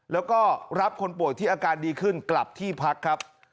แล้วก็รับคนป่วยที่อาการดีขึ้นกลับที่พักครับ